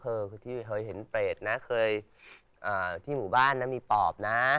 เฮ้ยเธอเห็นเปรตนะเคยที่หมู่บ้านมีปอบนะ